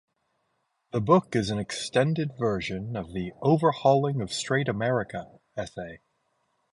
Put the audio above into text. The book is an extended version of the "Overhauling of Straight America" essay.